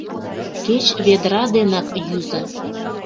Кеч ведра денак йӱза...